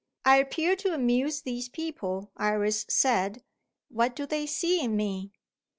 "I appear to amuse these people," Iris said. "What do they see in me?"